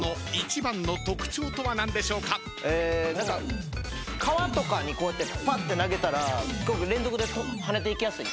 何か川とかにパッて投げたら連続で跳ねていきやすい。